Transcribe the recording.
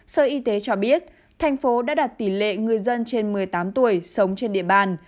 sở y tế cho biết thành phố đã đạt tỷ lệ người dân trên một mươi tám tuổi sống trên địa bàn